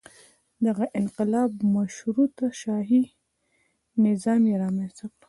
دغه انقلاب مشروطه شاهي نظام یې رامنځته کړ.